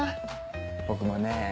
僕もね